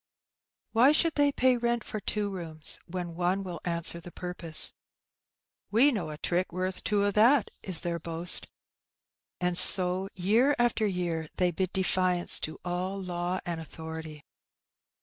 Why should they pay rent for two rooms when one will answer the purpose? ^'We know a trick worth two o* that,'^ is their boast. And so year by year they bid defiance to all law and authority.